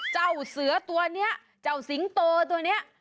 เจ้าเสือตัวนี้เจ้าสิงโตตัวนี้